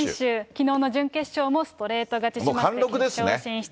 きのうの準決勝もストレート勝ちしまして決勝進出。